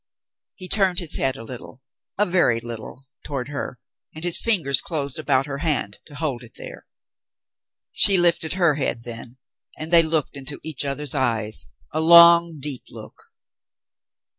He turned his head a little, a very little, toward her, and his fin gers closed about her hand to hold it there. She lifted her head then, and they looked into each other's eyes, a long, deep look.